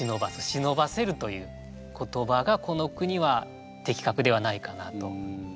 忍ばせるという言葉がこの句には的確ではないかなと。